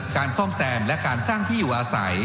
การซ่อมแซมและการสร้างที่อยู่อาศัย